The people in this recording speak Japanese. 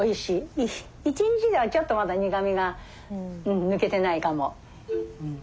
１日ではちょっとまだ苦みが抜けてないかも。